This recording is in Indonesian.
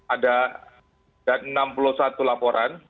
ada enam puluh satu laporan